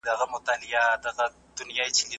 اقتصادي چارې د حرفه کارانو لخوا پر مخ وړل کيدي.